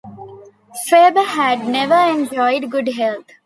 Faber had never enjoyed good health.